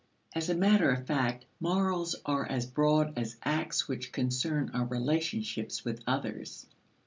As a matter of fact, morals are as broad as acts which concern our relationships with others.